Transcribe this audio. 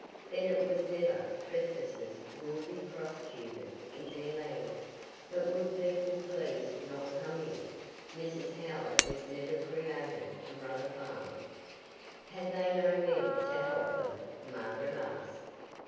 Then it was never 'Trespassers will be prosecuted' in their land, but would people please not come in. Mrs. Howard was never created to run a farm." "Had they no men to help them?" Margaret asked.